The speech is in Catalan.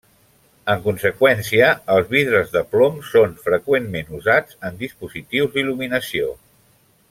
En conseqüència, els vidres de plom són freqüentment usats en dispositius d'il·luminació.